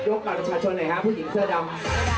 บัตรประชาชนหน่อยฮะผู้หญิงเสื้อดำ